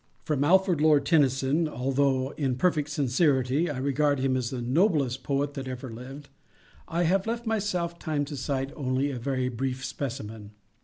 From Alfred Tennyson, although in perfect sincerity I regard him as the noblest poet that ever lived, I have left myself time to cite only a very brief specimen.